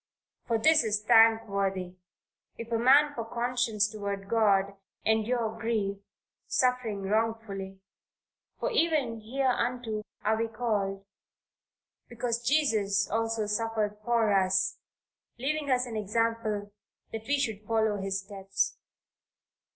"For this is thankworthy, if a man for conscience toward God endure grief, suffering wrongfully." "For even hereunto are we called, because Christ also suffered for us, leaving us an example that we should follow his steps."